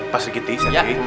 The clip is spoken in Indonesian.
pak sergiti sergei